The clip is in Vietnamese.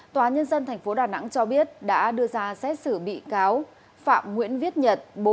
tòa nhân dân tp đà nẵng cho biết đã đưa ra xét xử bị cáo phạm nguyễn viết nhật